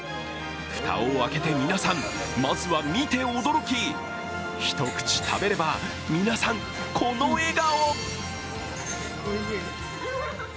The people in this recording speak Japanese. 蓋を開けて皆さん、まずは見て驚き、一口食べれば皆さんこの笑顔。